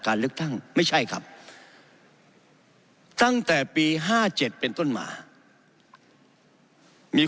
การเลือกตั้งไม่ใช่ครับตั้งแต่ปี๕๗เป็นต้นมามี